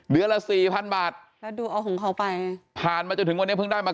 เดือนละ๔๐๐๐บาทแล้วดูเอาของเขาไปผ่านมาจนถึงวันนี้เพิ่งได้มา๙๒๐๐๐